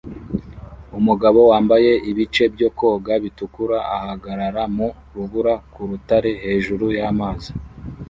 Umugabo wambaye ibice byo koga bitukura ahagarara mu rubura ku rutare hejuru y’amazi